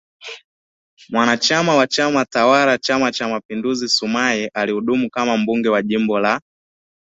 mwanachama wa chama tawala Chama Cha Mapinduzi Sumaye alihudumu kama mbunge wa Jimbo la